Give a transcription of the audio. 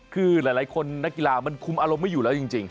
คือหลายคนนักกีฬามันคุมอารมณ์ไม่อยู่แล้วจริง